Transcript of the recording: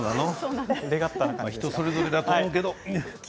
人それぞれだと思うけど。